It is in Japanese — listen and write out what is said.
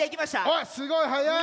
おっすごいはやい！